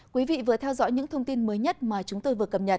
quý vị vừa theo dõi những thông tin mới nhất mà chúng tôi vừa cập nhật